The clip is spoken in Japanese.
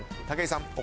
武井さん